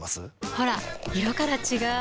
ほら色から違う！